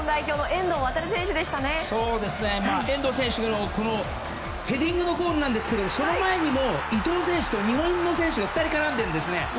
遠藤選手のヘディングのゴールなんですけどその前にも日本の選手が２人絡んでるんですね。